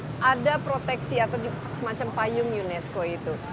kan ini kan ada proteksi atau semacam payung unesco itu